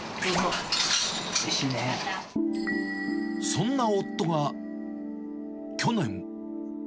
そんな夫が去年。